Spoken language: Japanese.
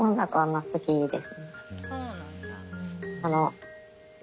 そうなんだ。